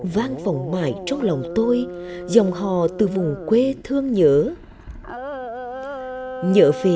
vang vòng mãi trong lòng tôi dòng họ từ vùng quê thương nhớ